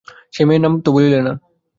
সেই মেয়ের নাম তো বলিলে না?